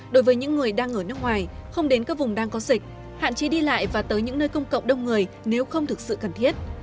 đối với những người đang ở nước ngoài không đến các vùng đang có dịch hạn chế đi lại và tới những nơi công cộng đông người nếu không thực sự cần thiết